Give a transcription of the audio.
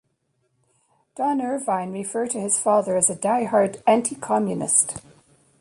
Don Irvine referred to his father as a die-hard anti-communist.